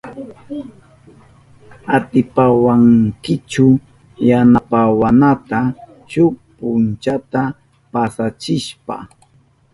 ¿Atipawankichu yanapawanata shuk punchata pasachishpa?